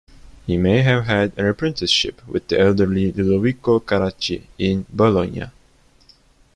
He may have had an apprenticeship with the elderly Ludovico Carracci in Bologna.